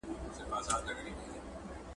معیاري لیکنه لوست آسانه کوي.